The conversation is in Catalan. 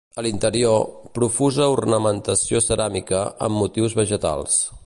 A l'interior, profusa ornamentació ceràmica, amb motius vegetals.